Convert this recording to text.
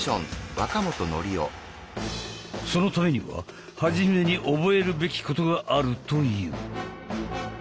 そのためには初めに覚えるべきことがあるという。